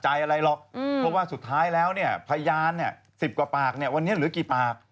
เพราะว่าสุดท้ายแล้วพยาน๑๐กว่าปากวันนี้เหลือกี่ปาก